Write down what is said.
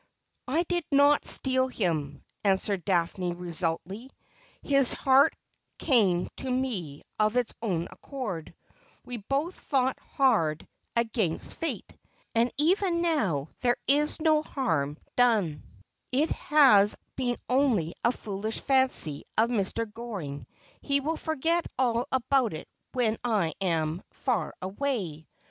' I did not steal him,' answered Daphne resolutely. ' His heart came to me of its own accord. We both fought hard 'Is there no Grace? is there no Remedie? 361 against Fate. And even now there is no harm done ; it has been only a foolish fancy of Mr. Goring's ; he will forget all about it when I am — far away.